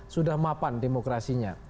sudah mapan demokrasinya